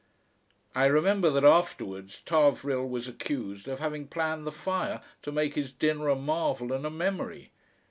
I remember that afterwards Tarvrille was accused of having planned the fire to make his dinner a marvel and a memory.